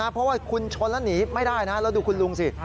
เพราะว่าคุณชนแล้วหนีไม่ได้นะแล้วดูคุณลุงสิ